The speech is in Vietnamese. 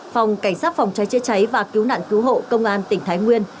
phòng cảnh sát phòng cháy chữa cháy và cứu nạn cứu hộ công an tỉnh thái nguyên